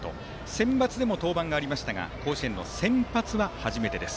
センバツでも登板がありましたが甲子園の先発は初めてです。